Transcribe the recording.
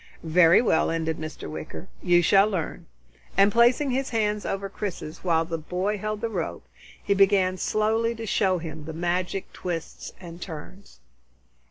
"Very well," ended Mr. Wicker, "you shall learn." And placing his hands over Chris's while the boy held the rope, he began slowly to show him the magic twists and turns.